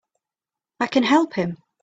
I can help him!